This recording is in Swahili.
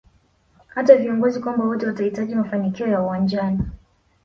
hata viongozi kwamba wote watahitaji mafanikio ya uwanjani